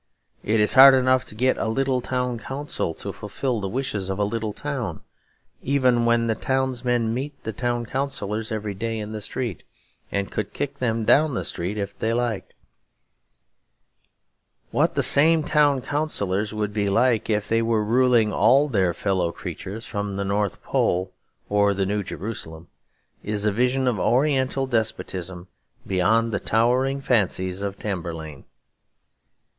It is hard enough to get a little town council to fulfil the wishes of a little town, even when the townsmen meet the town councillors every day in the street, and could kick them down the street if they liked. What the same town councillors would be like if they were ruling all their fellow creatures from the North Pole or the New Jerusalem, is a vision of Oriental despotism beyond the towering fancies of Tamberlane.